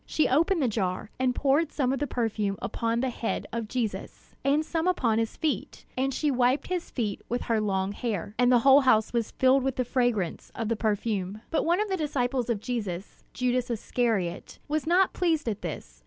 She opened the jar, and poured some of the perfume upon the head of Jesus, and some upon his feet; and she wiped his feet with her long hair. And the whole house was filled with the fragrance of the perfume. But one of the disciples of Jesus, Judas Iscariot, was not pleased at this.